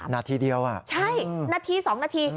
นาทีเดียวใช่นาที๒นาที